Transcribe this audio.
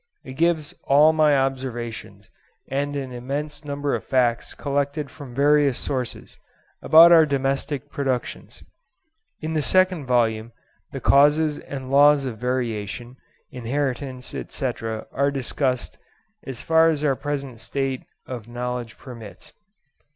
It gives all my observations and an immense number of facts collected from various sources, about our domestic productions. In the second volume the causes and laws of variation, inheritance, etc., are discussed as far as our present state of knowledge permits.